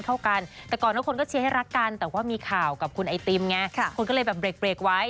เข้ากันแต่ก่อนทุกคนก็เชียร์ให้รักกันแต่ว่ามีข่าวกับคุณไอติมไงคนก็เลยแบบเบรกไว้